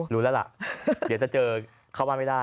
รู้แล้วล่ะเดี๋ยวจะเจอเข้าบ้านไม่ได้